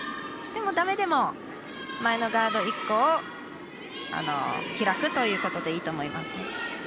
でも、だめでも前のガード１個を開くということでいいと思います。